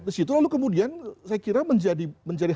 di situ lalu kemudian saya kira menjadi hal yang lebih penting